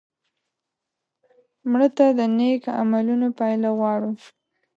مړه ته د نیک عملونو پایله غواړو